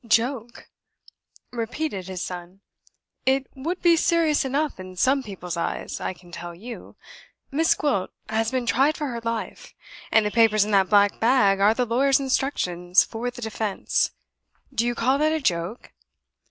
"Joke?" repeated his son. "It would be serious enough in some people's eyes, I can tell you. Miss Gwilt has been tried for her life; and the papers in that black bag are the lawyer's instructions for the Defense. Do you call that a joke?"